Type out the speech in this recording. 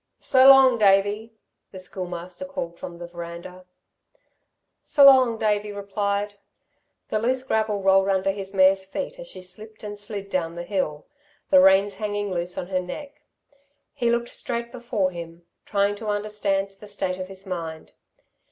"So long, Davey," the Schoolmaster called from the verandah. "S' long," Davey replied. The loose gravel rolled under his mare's feet as she slipped and slid down the hill, the reins hanging loose on her neck. He looked straight before him, trying to understand the state of his mind.